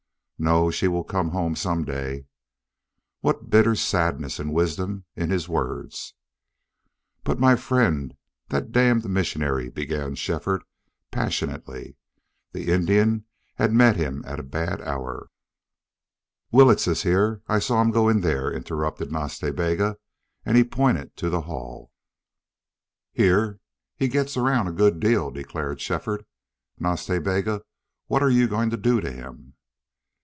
"No. She will come home some day." What bitter sadness and wisdom in his words! "But, my friend, that damned missionary " began Shefford, passionately. The Indian had met him at a bad hour. "Willetts is here. I saw him go in there," interrupted Nas Ta Bega, and he pointed to the hall. "Here! He gets around a good deal," declared Shefford. "Nas Ta Bega, what are you going to do to him?"